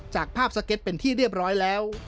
จากภาพสเก็ตเป็นที่เรียบร้อยแล้ว